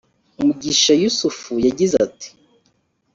Mugisha Yusuf yagize ati